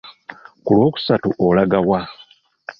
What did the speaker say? Ku lwokusatu olaga wa?